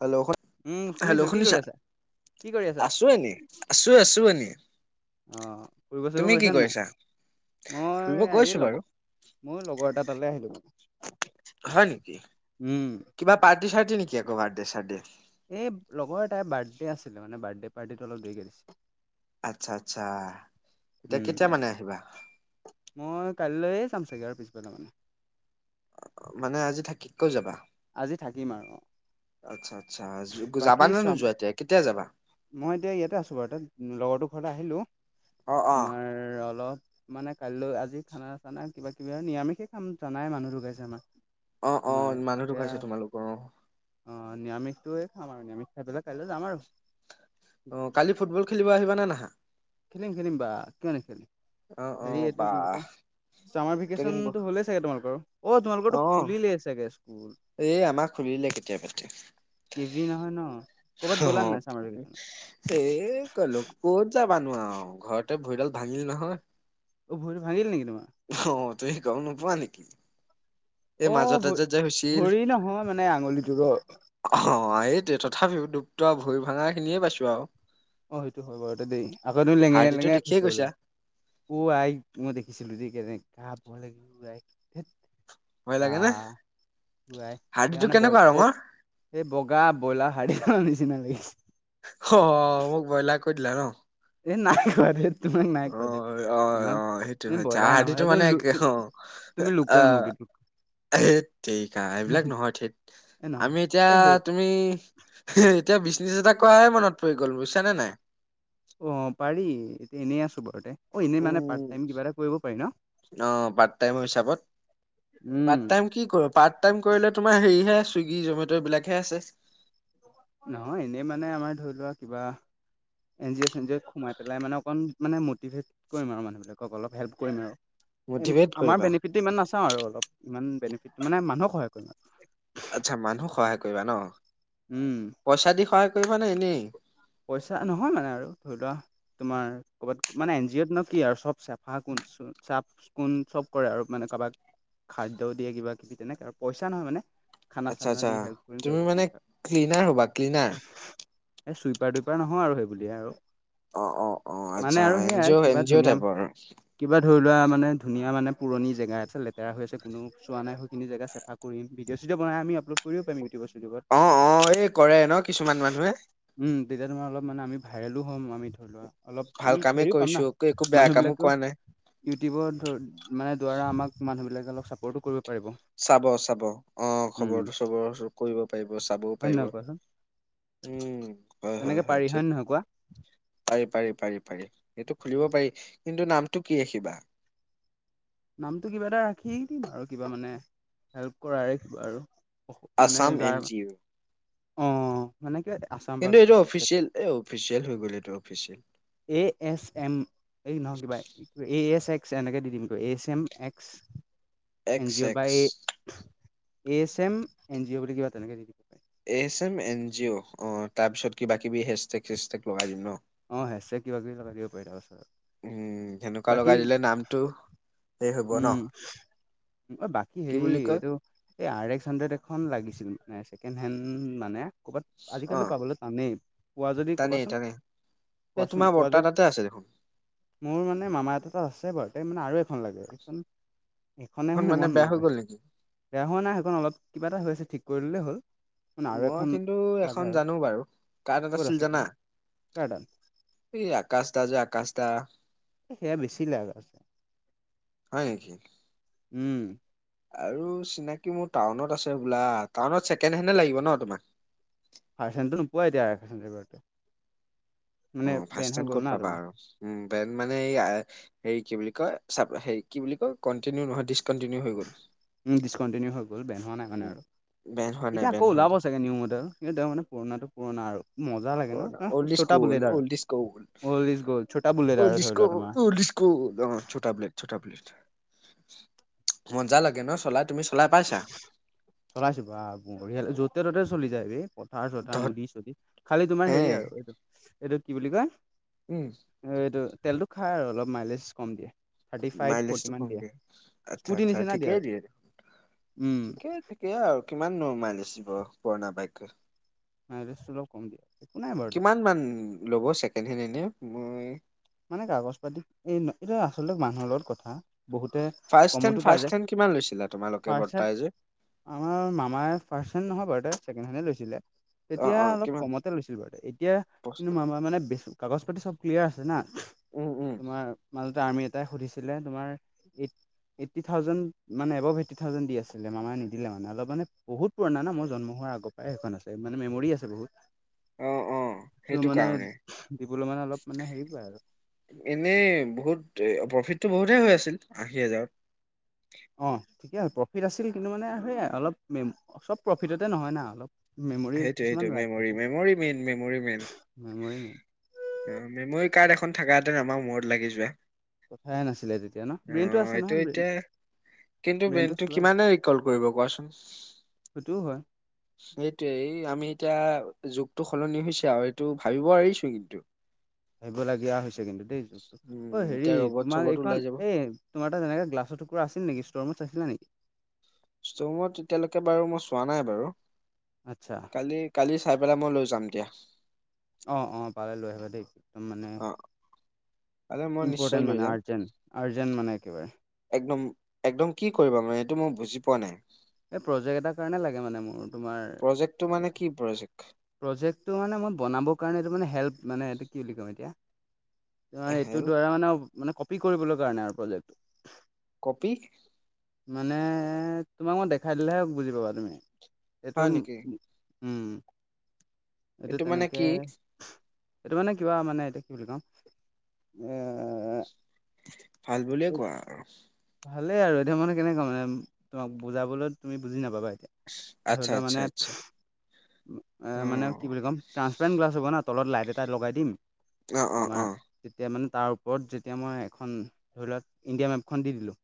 Hello, [unintelligible] উম শুনিছো hello, কি কৰি শুনিছা? আছা কি কৰি আছা আছোঁ এনে আছোঁ - আছোঁ এনে। অহ, ফুৰিব -চুৰিব গৈছা নে নাই ফুৰিব মই গৈছো এই লগ বাৰু। ময়ো লগৰ এটা তালে আহিলোঁ হয় নেকি? উম, কিবা পাৰ্টি- চাৰ্তি নেকি আকৌ বাৰ্থডে- চাৰ্থডে? এই লগৰ এটাই বাৰ্থডে আছিলে মানে বাৰ্থডে পাৰ্টি টো অলপ দেৰিকে দিছে। আচ্ছা -আচ্ছা এতিয়া কেতিয়া উম মানে আহিবা? মই কাইলৈ যাম চাগে আৰু পিছবেলা মানে। মানে আজি থাকি কৈ যাবা? আজি থাকিম আৰু। আচ্ছা -আচ্ছা জু বাকী যাবানে চাম নোযোৱা এতিয়া কেতিয়া যাবা? মই এতিয়া ইয়াতে আছোঁ বাৰু তাত লগৰটোৰ ঘৰত আহিলোঁ অ অ। তোমাৰ অলপ মানে কাইলৈ আজি খানা- চানা কিবা কিবি আৰ নিৰামিষে খাম জানাই মানুহ ঢুকাইছে আমাৰ। অ অ তোমাৰ মানুহ সেয়া ঢুকাইছে তোমালোকৰ অ, নিৰামিষটোয়ে খাম আৰু নিৰামিষ খাই পেলাই কাইলৈ যাম আৰু। অ, কালি ফুটবল খেলিব আহিবা নে নাহা? খেলিম -খেলিম বা কিয় নেখেলিম অ অ হেৰি এইটো কি বুলি বাহ কয় চামাৰ কেইদিন ব ভেকেচনটো হ'লে চাগে তোমালোকৰো অ, তোমালোকৰতো খুলিলেই চাগে স্কুল? এ আমা খোলিলে কেতিয়া বাতে। টি ভি নহয় ন' ক'বাত গ'লা নে নাই চামাৰ ভেকেচনত? এই ক'লো ক'ত যাবানো আও ঘৰতে ভৰিডাল ভাঙিল নহয়। অহ, ভৰিতো ভাঙিল নেকি তোমাৰ? অহ, তুমি গম নোপোৱা নেকি এই অ ভ মাজতে যে- যে হৈছে ভৰি নহয় মানে আঙুলিটোৰ অ, অহ, এইটোৱে তথাপিও দুপ্ত ভৰি ভাঙা খিনিয়ে পাইছো আৰু। অহ, সেইটো হয় বাৰু দেই আকৌ তুমি লেঙেৰাই- হাৰ্ডিটো লেঙেৰাই দেখিয়ে খোজকাঢ়িব গৈছা লাগিব। উ, আই মই দেখিছিলোঁ দেই কেনেকা ভয় লাগে উ, আই ধেত। ভয় বা লাগে নে উ, আই হাৰ্ডিটো সেইকাৰণে কেনেকুৱা বইল ৰঙৰ [unintelligible] এই বগা বইলাৰ হাৰ্ডি খোৱা নিচিনা লাগিছে। স মোক বইলাৰ কৈ দিলা ন'? এ নাই কোৱা ধেত। তোমাক নাই অ কোৱা দে অ অ তোমাক সেইটো তুমি আচ্ছা বইলাৰ হাৰ্ডিটো নহয় মানে একে অ [unintelligible] তুমি লোকেল মুৰ্গীতো। এহেট তেৰিকা এইবিলাক নহয় থেত এ নহয় আমি এতিয়া এ সেই তুমি [unintelligible] এতিয়া বিজনিছ এটা কৰাহে মনত পৰি গ'ল বুজিছা নে নাই? অহ, পাৰি এতিয়া এনেই আছো বাৰুতে অ, এনেই মানে পাৰ্ট টাইম কিবাএটা কৰিব পাৰি ন'? অহ, পাৰ্ট টাইমৰ হিচাপত পাৰ্ট টাইম কি কৰো পাৰ্ট পাৰ্ট টাইম কৰিলে তোমাৰ হেৰিহে চুইগী, জমেট এইবিলাকহে আছে? নহয় এনেই মানে আমাৰ ধৰি লোৱা কিবা এন জি অ', চেন জি অ'ত সোমাই পেলাই মানে অকণ মানে মটিভেট কৰিম আৰু মানুহবিলাকক অলপ হেল্প কৰিম আৰু মটিভেট আমাৰ কৰিবা বেনিফিট বেছি ইমান নাচাও আৰু অলপ। ইমান বেনিফিট মানে মানুহক সহায় কৰিম। আচ্ছা মানুহক সহায় কৰিবা ন? উম। পইচা দি সহায় কৰিবা নে এনেই? পইচা নহয় মানে আৰু ধৰি লোৱা তোমাৰ কবাত মানে এন জি অ'ত ন কি আৰু চব চেফা কোন চ চাফ চিকুন চব কৰে আৰু মানে কাবাক খাদ্য দিয়ে কিবা-কিবি তেনেকে আৰু পইচা নহয় মানে খানা আচ্ছা চানা আচ্ছা দি হেল্প কৰিম কিবা তুমি কিবি মানে তেনেকে ক্লিনাৰ হ'বা ক্লিনাৰ। এ চুইপাৰ দুইপাৰ নহও আৰু সেই বুলিয়ে আৰু। অহ অহ অহ মানে আচ্ছা আৰু এন জি সেয়াই অ' এন কিবা জি অ' ধুনীয়া টাইপৰ আৰু। কিবা ধৰি লোৱা মানে ধুনীয়া মানে পুৰণি জেগা আছে লেতেৰা হৈ আছে কোনোও চোৱা নাই সেইখিনি জেগা চেফা কৰিম। ভিডিঅ' চিডিঅ বনাই আমি আপলোড কৰিব পাৰিম ইউটিউবত চিউটিউবত। অহ অহ এই কৰে ন কিছুমান মানুহে? উম তেতিয়া তোমাৰ অলপমানে আমি ভাইৰেলো হ'ম আমি ধৰি লোৱা অলপ ভাল আমি কামেই হেৰিও পাম কৰিছো না একো বেয়া কামো মানুহবিলাকতো কোৱা নাই ইউটিউবত ধৰ মানে দোৱাৰা আমাক মানুহবিলাক চাপৰ্টো কৰিব পাৰিব চাব চাব অঁ উম খবৰটো চবৰ কৰিব পাৰিব, চাবওঁ হয় পাৰিব। নহয় কোৱাচোন উম। তেনেকে পাৰি হয় নহয় কোৱা? পাৰি পাৰি পাৰি পাৰি সেইটো খুলিব পাৰি কিন্তু নামটো কি ৰাখিবা? নামটো কিবা এটা ৰাখি দিম আৰু কিবা মানে হেল্প কৰা ৰাখিব আৰু। মানে আছাম এন যাৰ জি অ' অহ মানে কে আছাম কিন্তু বা এইটো অফিচিয়েল এ অফিচিয়েল হৈ গ'ল এইটো অফিচিয়েল। A S M. এই নহয় কিবা এ এছ এক্স এনেকে দি দিম ক H M X N X G O বা X A S M N G O বুলি কিবা তেনেকে দি দিব পাৰি। A S M N G অ' অহ তাৰ পিছত কিবা কিবি হেচ-টেক চেচ-টেক লগাই দিম ন? অহ হেচ-টেক কিবা কিবি লগাই দিব পাৰি তাৰ পিছত। উম সেনেকুৱা লগাই দিলে নামটো সেই হব ন? উম অ বাকী কি হেৰি বুলি কয় এইটো এই আৰ এক্স হান্ড্ৰেড এখন লাগিছিল মানে ছেকেণ্ড হেণ্ড মানে। ক'বাত অ' আজিকালিতো পাবলৈ টানেই, পোৱা যদি টানেই ক'বাচোন। টানেই এই কোৱাচোন তোমাৰ পোৱা বৰ্তা যদি তাতে আছে দেখোন। মোৰ মান মামা এটা তাত আছে বাৰু তে মানে আৰু এখন লাগে। এইখন এখনে এখন মানে মন বেয়া হৈ নভৰে। গ'ল নেকি? বেয়া হোৱা নাই সেইখন অলপ কিবা এটা হৈ আছে ঠিক কৰি ললেই হ'ল। মানে আৰু মই এখন কিন্তু লাগে এখন আৰু জানো বাৰু। কাৰ তাত ক'ত আছে আছিল কোৱা জানা? কাৰ্টন এই আকাশ দা যে আকাশ দা। সেয়া বেছি লাগা আছে, হয় নেকি? উম। আৰু চিনাকি মোৰ টাউনত আছে বোলা, টাউনত ছেকেণ্ড হেণ্ডে লাগিব ন তোমাক? পাৰ্চেণ্টো নোপোৱো এতিয়া [unintelligible] অ মানে ফাৰ্ষ্ট বেন টাইম হৈ ক'ত গ'ল না পাবা তোমাৰ। আৰু উম বেন মানে এই আৰ হেই কি বুলি কয় চাক হেৰি কি বুলি কয় কণ্টিনিউ নহয়, ডিচকন্টিনিউ হৈ গল। উম ডিচকণ্টিনিউ হৈ গ'ল বেন হোৱা নাই মানে আৰু। বেন হোৱা নাই এতিয়া আকৌ বেন হোৱা ওলাব নাই চা গে নিউ মডেল কিন্তু তেওঁ মানে পুৰণাটো পুৰণা আৰু। মজা লাগে ন পুৰণা অল্ড ইজ চটা গ'ল্ড বুলেট আৰু। Old is gold old is gold চটা বুলেট আৰু ধৰি লোৱা তোমাৰ। হু অ চটা বুলেট চটা বুলেট। মজা লাগে ন চলায়? তুমি চলাই পাইছা? চলাইছো বা বঢ়িয়া লাগে, য'তে ত'তে চলি যায় ৰে। পথাৰ-চথাৰ, তহঁত নদী-চদী, খালি তোমাৰ হে হেৰি আৰু এইটো, এইটো কি বুলি কয়? উম। এইটো তেলটো খাই আৰু অলপ মাইলেজ কম দিয়ে। থাৰ্টি ফাইভ, ফ্ৰৰ্টি মাইলেজটো মান কম দিয়ে, স্কুটি নিচিনা দিয়ে আৰু। উম ঠিকে-ঠিকে আৰু কিমাননো মাইলেজ দিব পুৰণা বাইকে। মাইলেজ টু অলপ কম দিয়ে। একো নাই বাৰু কিমান মান ল'ব ছেকেণ্ড হেণ্ড এনে? মই মানে কাগজ পাতি, এই এইটো আচলতে মানুহৰ লগত কথা। বহুতে ফাৰ্ষ্ট হেণ্ড কমতো পাই ফাৰ্ষ্ট যায়। হেণ্ড কিমান লৈছিলা তোমালোকে ফাষ্ট হেণ্ড বৰ্তাই যে আমাৰ মামাৰ ফাৰ্ষ্ট হেণ্ড নহয় বাৰু দে, ছেকেণ্ড হেণ্ডে লৈছিলে। অ তেতিয়া অ অলপ কিমান কমতে লৈছিলোঁ বাৰু। এতিয়া পচ- কিন্তু মামাৰ মানে বেছ কাগজ পাতি চব ক্লিয়াৰ আছে না। উম উম তোমাৰ মাজতে আৰ্মী এটাই সুধিছিলে, তোমাৰ এইট এইটি থাউজেণ্ড মানে এভ এইটি থাউজেণ্ড দি আছিলে। মামায়ে নিদিলে মানে অলপ মানে বহুত। পুৰণা ন মই জন্ম হোৱা আগৰ পৰাই এইখন আছে, মানে মেমৰি আছে বহুত। [unintelligible] অ বস্তুটো সেইটো মানে, কাৰণে দিবলৈ মানে, অলপ মানে হেৰি পাই আৰু। এনেই বহুত এ প্ৰফিটো বহুতে হৈ আছিল আশী হাজাৰত। অ, ঠিকে প্ৰফিট আছিল কিন্তু মানে সেইয়া অলপ, চব প্ৰফিটতে নহয় না অলপ। মেমৰি কিছুমান সেইটোৱে-সেইটোৱে, লাগ মেমৰি, থাকে memory main, memory main. Memory main অ, মেমৰি কাৰ্ড এখন থাকাহেতেন আমাৰ মূৰত লাগি যোৱা। কথাই নাছিলে তেতিয়া ন, অ ব্ৰেইনটো আছে এইটো নহয়, এতিয়া ব্ৰেইনটো। কিন্তু ব্ৰেইনটো কিমানে ৰিকল কৰিব কোৱাচোন? সেইটোও হয়। এতিয়া এই আমি এতিয়া যুগটো সলনি হৈছে আৰু এইটো ভাবিব পাৰিছো কিন্তু। ভাবিবলগীয়া হৈছে কিন্তু দেই যুগটো। অ, উম হেৰি এতিয়া ৰবট তোমাৰ চবত ওলাই এইখন যাব এ তোমাৰ তাত এনে গ্লাছৰ টোকোৰা আছিল নেকি? ষ্ট'ৰুমত চাইছিলা নেকি? ষ্ট'ৰুমত এতিয়ালৈকে বাৰু মই চোৱা নাই বাৰু। আচ্ছা। কালি, কালি চাই পেলাই মই লৈ যাম দিয়া। অ-অ, পালে লৈ আহিবা দেই। একদম মানে অ কাইলৈ মই নিশ্চয় ইম্পৰ্টেণ্ট লৈ মানে যাম আৰ্জেণ্ট, আৰ্জেণ্ট মানে একেবাৰে। একদম একদম কি কৰিবা মানে এইটো মই বুজি পোৱা নাই? এই প্ৰজেক্ট এটাৰ কাৰণে লাগে মানে মোৰ তোমাৰ প্ৰজেক্টটো মানে কি প্ৰজেক্ট? প্ৰজেক্টটো মানে মই বনাব কাৰণে এইটো মানে হেল্প মানে এইটো কি বুলি ক'ম এতিয়া? এইটোৰ হেল্প দ্বাৰা মানে মানে কপি কৰিবলৈ কাৰণে আৰু প্ৰজেক্টটো। কপি? মানে তোমাক মই দেখাই দিলেহে বুজি পাবা তুমি? এইটো হয় নেকি উম' এইটো মানে তেনেকে কি এইটো মানে কিবা মানে এতিয়া কি বুলি কম এ ভাল বুলিয়ে কোৱা আৰু। ভালেই আৰু এতিয়া মানে কেনেকুৱা মানে তোমাক বুজাবলৈ, তুমি বুজি নাপাবা এতিয়া? ধৰি আচ্ছা লোৱা আচ্ছা মানে আচ্ছা অ মানে কি বুলি ক'ম ট্ৰান্সপেৰেণ্ট গ্লাছ হ'ব না, তলত লাইট এটা লগাই দিম। অ, অ, তোমাৰ অ। তেতিয়া মানে তাৰ ওপৰত যেতিয়া মই এখন ধৰি লোৱা ইণ্ডিয়া মেপখন দি দিলোঁ।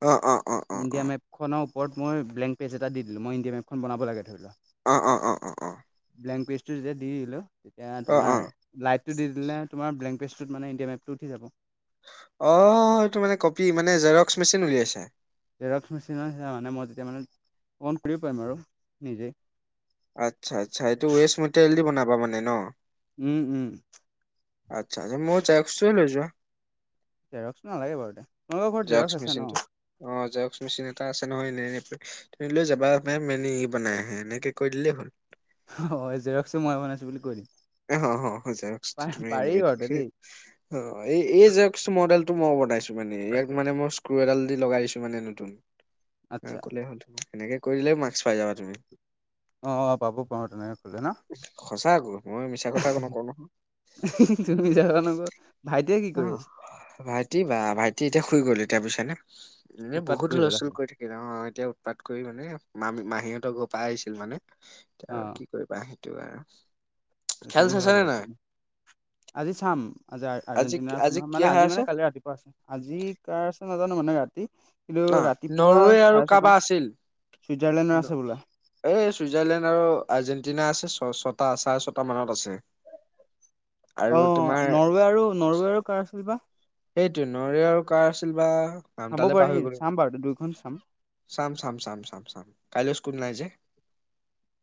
অ, অ। অ ইণ্ডিয়া মেপখনৰ ওপৰত মই ব্লেংক পেজ এটা দি দিলো, মই ইণ্ডিয়া মেপখন বনাব লাগে ধৰি লোৱা। অ, অ, অ, অ, অ। ব্লেংক পেজটো যেতিয়া দি দিলোঁ তেতিয়া অ অ অ তোমাৰ লাইটটো দি দিলা তোমাৰ ব্লেংক পেজটোত মানে ইণ্ডিয়া মেপটো উঠি যাব', অহওওও', এইটো মানে কপি মানে জেৰক্স মেচিন উলিয়াইছা', জেৰক্স মেচিনৰ নিচিনা মানে মই তেতিয়া মানে, অন কৰিব পাৰিম আৰু নিজেয়ে', আচ্ছা - আচ্ছা, এইটো ৱেষ্ট মেটেৰিয়েল দি বনাবা মানে ন? উম', - উম', আচ্ছা, লাগিলে মোৰ জেৰেক্সটো লৈ যোৱা', জেৰক্সটো নালাগে বাৰু এতিয়া, তোমালোকৰ ঘৰত জেৰক্স আছে ন? অহ', জেৰক্স মিচিন এটা আছে নহয় এনে-এনে পৰি', তুমি লৈ যাবা, 'মেম' মেইনে ইয়েহ বানায়া হে' এনেকে কৈ দিলেই হ'ল ', হ', -হয়, জেৰক্সটো মই বনাইছোঁ বুলি কৈ দিম, অ', পা - পাৰি বাৰুতে দেই', হয় ', অ', -হয়', - এই - এই জেৰক্স মডেলটো মই বনাইছোঁ মানে ইয়াক মানে মই স্ক্ৰু এডাল দি লগাই দিছোঁ মানে নতুন', ন এনেকে আচ্ছা ক'লে হ'ল তুমি, সেনেকে কৰি দিলে মাৰ্কচ পাই যাবা তুমি', অ', - অ', পাব পাৰোঁ তেনেকে খোলে ন, সঁচা আকৌ মই মিছা কথা একো উহুম', নকওঁ নহয়। হুহুহু', তুমি মিছা কথা নকবা, ভাইটিয়ে কি কৰি অ', আছে? ভাইটি বা ভাইটি এতিয়া শুই গ'ল এতিয়া বুইছা নে, এনে উৎপাত বহুত হুলস্থুল পেলাইছে কৰি থাকে', কেতিয়া অ', এতিয়া উৎপাত কৰি মানে, মামী-মাহীহঁতৰ ঘৰৰ পাই আহিছিল মানে, এতিয়া অ আৰু কি? কি কৰিবা সেইটো আৰু', এইটো খেল হয় চাইছা নে বাৰু নাই? তেন্তে, আজি চাম', আজাৰ - আজি আৰ্জেণ্টিনাৰ আছে নহয় কি মানে আহা আজি আছে মানে কালি ৰাতিপুৱা আছে আজি কাৰ আছে নাজানোঁ মানে ৰাতি', কিন্তু অ', ৰাতিপুৱা নৰৱে চ', - আৰু চাৰে ছটা কাৰোবাৰ অ', আছিল। চুইজাৰলেণ্ডৰ আছে বোলে', এই চুইজাৰলেণ্ড আৰু আৰ্জেণ্টিনা আছে ছয়- ছটা- চাৰে ছটা মানত আছে', আৰু অহ', তোমাৰ নৰৱে আৰু নৰৱে আৰু কাৰ আছিল বা? সেইটোৱে নৰৱে আৰু কাৰ আছিল বা? চাব নামডালে পাৰি, পাহৰি গলো চাম বাৰু দুইখন চাম', চাম- চাম- চাম -চাম -চাম, কাইলৈ স্কুল নাই যে',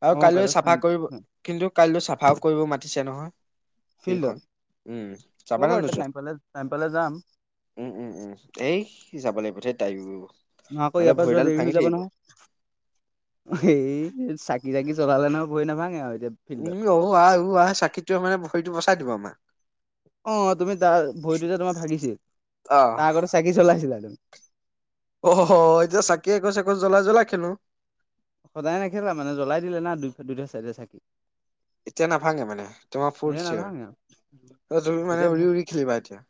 আৰু অ কাইলৈ চাম চাফা কৰিব, কিন্তু কাইলৈ চাফাও কৰিব মাতিছে নহয়? ফিল্ডত ফিল্ডখন, উম', হ'ব যাবা নে বাৰু নোযোৱা? টাইম পালে টাইম পালে যাম', উম', - উম', - উম', এই যাব লাগিব এতিয়া তাইও', ন আকৌ নহ'লে ইয়াৰ পৰা যোৱা ভৰিডাল দেৰি ভাঙি হৈ যাব থাকিব নহয়? হি়ঃ-হিঃ', হেই চাকি - তাকি জ্বলালে নহয়, ভৰি নাভাঙে আৰু এতিয়া', ফিল্ডত উম', - ই', - অ', - আহ', - উ', - আহ', চাকিটো মানে ভৰিটো বচাই দিব আমাৰ', অ', তুমি তাৰ ভৰিটো যে তোমাৰ ভাঙিছিল, অহ তাৰ আগতে চাকি চলাইছিলা তুমি? অ', হ- হ এতিয়া চাকি একোজ-একোজ জ্বলাই- জ্বলাই খেলোঁ', সদায় নেখেলে মানে জ্বলাই দিলে না দুই-দুইটা চাইডে চাকি', তেতিয়া নাভাঙে মানে তোমাৰ এ ফুল চিয়ৰ, নাভাঙে আৰু অ', তুমি মানে এতিয়া উৰি- উৰি খেলিবা এতিয়া',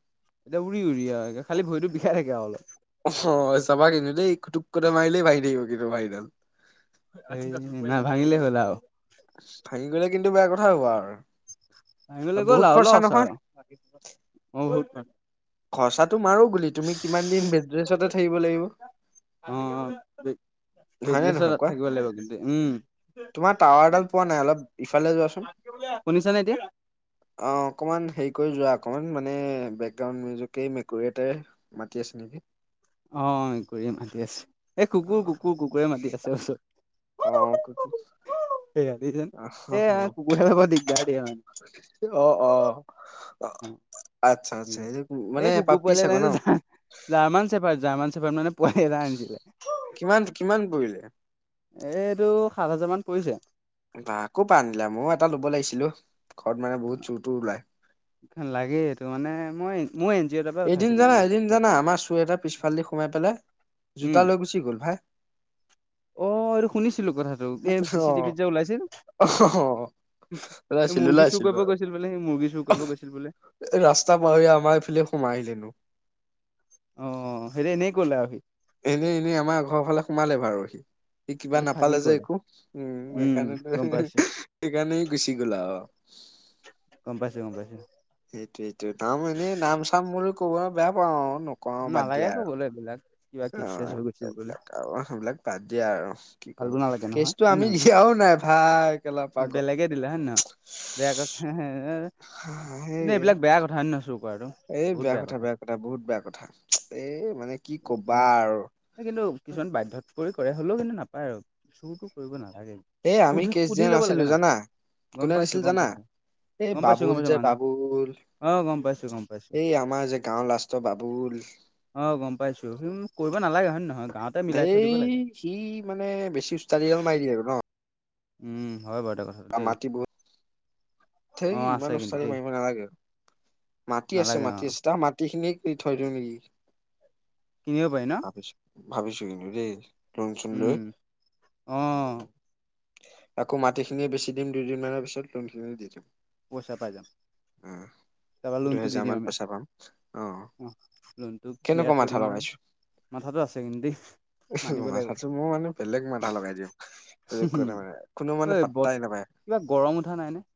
এতিয়া উৰি- উৰি আৰু একে, খালি ভৰিটো বিষাই থাকে আৰু অলপ', অহ', হ', চাবা কিন্তু দেই কুটুককুটা মাৰিলেই ভাঙি থাকিব কিন্তু ভৰিডাল', ছিজনত', না ভাঙিলে হ'ল আওঁ', ভাঙি গ'লে কিন্তু বেয়া কথা হ'ব আৰু', ভাঙি গ'লে গ'ল বহুত আৰু খৰচা ল', নহয় চালা, বাকী খৰচা, অহ', বহুত আৰু', খৰচাটো মাৰোঁ গোলি, তুমি কিমান দিন বেডৰেষ্টততে থাকিব লাগিব', অ হয় নে পেটছত নহয় কোৱা, থাকিব লাগিব কিন্তু উম তোমাৰ টাৱাৰডাল পোৱা নাই অলপ', ইফালে যোৱাচোন', শুনিছা নে এতিয়া? অ', অকমান হেৰি কৰি যোৱা অকমান মানে বেকগ্ৰাউণ্ড মিউজি', মিউজিকেই, এই মেকুৰী এটাই মাতি আছে নেকি? অ', মেকুৰীয়ে মাতি আছে, এ কুকুৰ-কুকুৰ-কুকুৰে মাতি আছে অহ', চ', অ', কুকুৰ', সেয়া দেখিছানে এইয়া কুকুৰবিলাক বৰ দিগদাৰ দিয়ে মানে। অ', অ', আচ্ছা। এইটো মানে এই কুকুৰ পাপি চাগৈ পোৱালি ন [unintelligible] জাৰ্মান ছেপাৰ -জাৰ্মান ছেপাৰ মানে পোৱালি এটা আনিছিলে। কিমান -কিমান পৰিলে? এইটো সাত হাজাৰ মান পৰিছে। বাহ কৰ পা আনিলা? ময়ো এটা ল'ব লাগিছিল অ, ঘৰত মানে বহুত চুৰ তুৰ ওলাই। লাগে এইটো মানে মই মই ইঞ্জিঅ এটা পা এদিন জানা -এদিন জানা আমাৰ চুৰ এটা পিছফালদি সোমাই পেলে জোতা উম লৈ গুচি গ'ল ভাই। অ', এইটো শুনিছিলোঁ কথাটো এ অ চি-চি টিভিত যে ওলাইছিল। অ এ ওলাইছিলো মুৰ্গী চুৰ ওলাইছিলো কৰিব গৈছিল বোলে সি মুৰ্গী চুৰ কৰিব গৈছিল বোলে। ৰাস্তা পাহৰি আমাৰ এইফালে সোমাই আহিলেনো। অ', হেতু এনেই কলে আৰু সি। এনে -এনে আমাৰ ঘৰৰ ফালে সোমালে বাৰু সি -সি কিবা এইটো ফাঁকি নাপালে যে ক'লে একো। উম, উম এইকাৰনেটো গম পাইছো [unintelligible] সেইকাৰনে ই গুচি গ'ল আও। গম পাইছোঁ-গম পাইছোঁ। সেইটোয়েইটো নাম এনেই নাম চাম বুলি ক'ব বেয়া পাওঁ আৰু। নকওঁ বাদ নালাগে দিয়া আৰু কবলৈ এইবিলাক কিবা কেস অ ছেচ হৈ গৈছিল বোলে। এইবিলাক আৰু সেইবিলাক বাদ দিয়ে আৰু কি কৰিব। ভালতো নালাগে নহয় কেচটো হয় নে আমি নহয় দিয়াও নাই ভাই কেলা পাগল বেলেগে দিলে হ'য় নাই বাৰু? বেয়া কথা [unintelligible] কিন্তু সেই এইবিলাক বেয়া কথা হয় নে নহয় চুৰ কৰাটো? এই বেয়া কথা- বেয়া কথা বহুত বেয়া কথা, এই মানে কি কথা ক'বা আৰু। কিন্তু কিছুমান বাধ্যত পৰি কৰে হ'লেও কিন্তু নাপায় আৰু, চুৰটো কৰিব নালাগে। এ আমি সুধি কেচ সুধি দিয়া ল'ব লাগে নাছিলোঁ ন জানা, গম কোনে পাইছো দিছিল গম জানা? পাইছো এই গম পাইছো গম বাবুল পাইছো যে মানুহ বাবুল? অ', গম পাইছোঁ। এই আমাৰ যে গাঁওৰ লাষ্টৰ বাবুল? অ', গম পাইছোঁ [unintelligible] কৰিব নালাগে হয় নে নহয়, গাঁৱত এই সি মানে বেছি উচষ্টাদিডাল মাৰি দিয়ে আৰু ন? উম, হয় বাৰু কথাটো তাৰ দেই মাটি বহুত অ থেই আছে ইমান কিন্তু উষ্টাদী দেই মাৰিব নালাগে। মাটি নালাগে অ আছে-মাটি আছে তাৰ মাটিখিনি [unintelligible] থৈ দিওঁ নেকি? কিনিব পাৰি ন? ভাবিছোঁ কিন্তু দেই লোণ চুন লৈ। উম অ আকৌ মাটিখিনিয়ে বেছি দিম দুইদিনমানৰ পিছত লোনখিনিও দি দিম। পইচা পাই যাম। তাৰপৰা [inaudible] লোনটো দি দুহেজাৰ দিম মান আমি পইচা পাম অ', লোনটো ক্লিয়াৰ কেনেকুৱা কৰি দিম মাথা আৰু লগাইছো? মাথাটো আছে কিন্তু দেই। উম, মানিব লাগিব মাথাটো মোৰ মানে বেলেগ মাথা লগাই দিওঁ মানে কোনো ঐ মানে বত পাতটাই নাপায়। কিবা গৰম উঠা নাই নে?